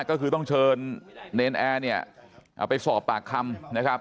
ก็คือต้องเชิญเนรนแอร์เนี่ยเอาไปสอบปากคำนะครับ